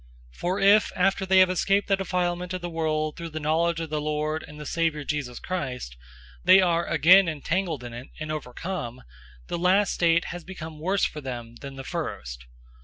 002:020 For if, after they have escaped the defilement of the world through the knowledge of the Lord and Savior Jesus Christ, they are again entangled in it and overcome, the last state has become worse for them than the first.